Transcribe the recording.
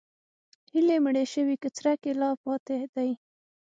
هیلې مړې شوي که څرک یې لا پاتې دی؟